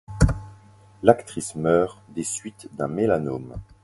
L'actrice meurt des suites d'un mélanome.